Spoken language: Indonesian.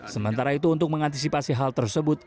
sementara itu untuk mengantisipasi hal tersebut